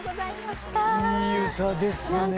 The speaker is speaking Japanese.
いい歌ですね。